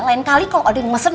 lain kali kalau ada yang mesen